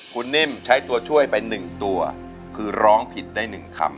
คุณนิ่มใช้ตัวช่วยไปหนึ่งตัวคือร้องผิดได้หนึ่งคำ